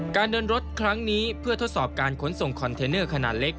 การเดินรถครั้งนี้เพื่อทดสอบการขนส่งคอนเทนเนอร์ขนาดเล็ก